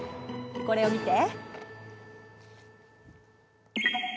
これを見て。